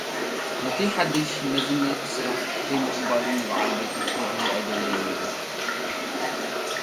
ነቲ ሓድሽ መዝነት ስራሕ ብዘይምቕባሉ፡ ንበዓልቲ-ቤቱ ከጉሂ ኣይደለየን ነይሩ።